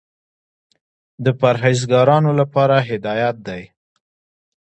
د پرهېزګارانو لپاره هدایت دى.